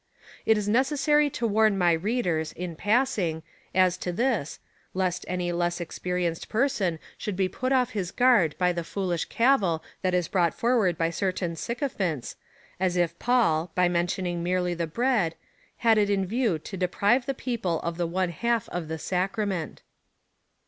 It is neces sary to warn my readers, in passing, as to this, lest any less experienced person should be put off his guard by the foolish cavil that is brought forward by certain sycophants — as if Paul, by mentioning merely the bread, had it in view to de prive the people of the one half of the Sacrament.